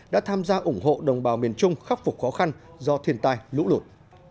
đã tham gia ủng hộ đồng bào miền trung khắc phục khó khăn do thiên tai lũ lụt